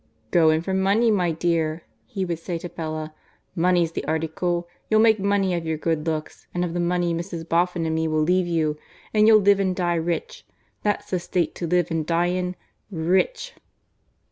"Go in for money, my dear," he would say to Bella. "Money's the article! You'll make money of your good looks, and of the money Mrs. Boffin and me will leave you, and you'll live and die rich. That's the state to live and die in R r rich!"